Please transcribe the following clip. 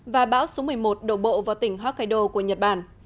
và bão số một mươi một đổ bộ vào tỉnh hokkaido của nhật bản